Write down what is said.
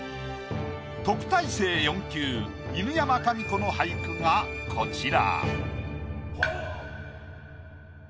特待生４級犬山紙子の俳句がこちら。